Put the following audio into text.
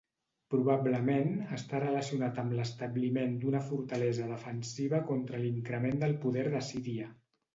Probablement està relacionat amb l'establiment d'una fortalesa defensiva contra l'increment del poder d'Assíria.